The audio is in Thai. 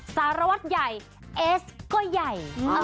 สารวัตรใหญ่เอสก็ใหญ่